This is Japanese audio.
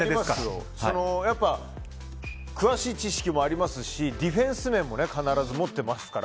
やっぱ詳しい知識もありますしディフェンス面も必ず持っていますから。